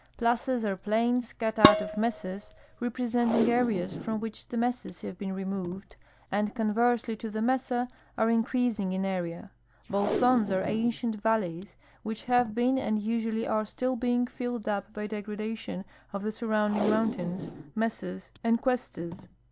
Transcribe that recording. Plazas are plains cut out of mesas, representing areas from which the mesas have been removed, and, conversely to the mesa, are increasing in area. Bolsons are ancient valleys which have been and usually are still being filled up by degradation of the surrounding moun tains, mesas, and cuestas.